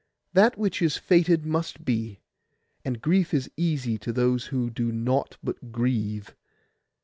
That which is fated must be; and grief is easy to those who do nought but grieve.